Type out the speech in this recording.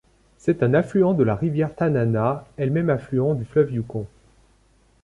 C'est un affluent de la rivière Tanana, elle-même affluent du fleuve Yukon.